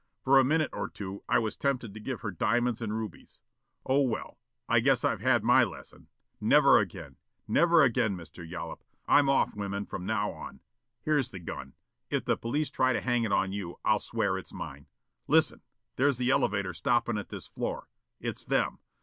For a minute or two I was tempted to give her diamonds and rubies oh, well, I guess I've had my lesson. Never again! Never again, Mr. Yollop. I'm off women from now on. Here's the gun. If the police try to hang it on you, I'll swear it's mine. Listen! there's the elevator stoppin' at this floor. It's them.